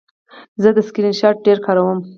زه د سکرین شاټ ډېر کاروم.